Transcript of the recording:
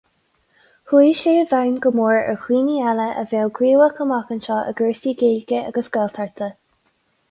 Chuaigh sé i bhfeidhm go mór ar dhaoine eile a bheadh gníomhach amach anseo i gcúrsaí Gaeilge agus Gaeltachta.